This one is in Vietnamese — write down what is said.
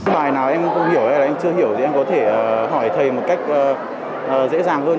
bài nào em không hiểu hay là em chưa hiểu thì em có thể hỏi thầy một cách dễ dàng hơn